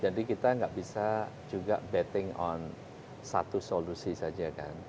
jadi kita nggak bisa juga betting on satu solusi saja kan